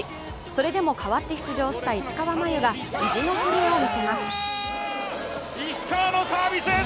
それでも代わって出場した石川真佑が意地のプレーを見せます。